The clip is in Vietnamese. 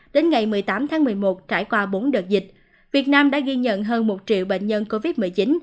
đến ngày một mươi tám tháng một mươi một trải qua bốn đợt dịch việt nam đã ghi nhận hơn một triệu bệnh nhân covid một mươi chín